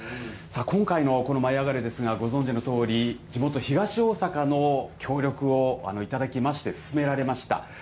今回のこの舞いあがれ！ですが、ご存じのとおり、地元、東大阪の協力を頂きまして、進められました。